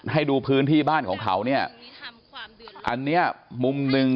ให้ดูพื้นที่บ้านของเขาเนี่ยอันเนี้ยมุมหนึ่ง